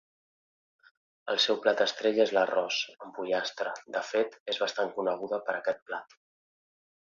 El seu plat estrella és l'arròs amb pollastre, de fet, és bastant coneguda per aquest plat.